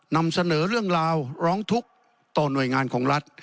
นำเสนอเรื่องราวร้องทุกข์ต่อหน่วยงานของรัฐ